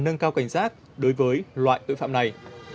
nâng cao cảnh giác đối với loại tội phạm này